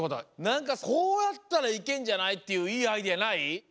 なんかこうやったらいけんじゃないっていういいアイデアない？どうかな？